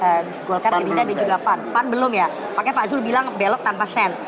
pak zulkifliasa belum ya pak zulkifliasa belum ya pak zulkifliasa bilang belok tanpa sen